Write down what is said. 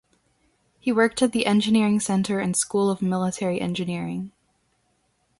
He worked at the Engineering Center and School of Military Engineering.